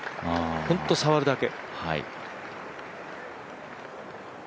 本当、触るだけ。